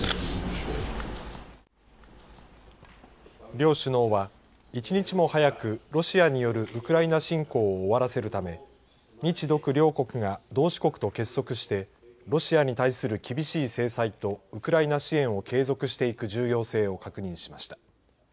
両首脳は１日も早くロシアによるウクライナ侵攻を終わらせるため日独両国が同志国と結束してロシアに対する厳しい制裁とウクライナ支援を継続していく重要性を確認しました。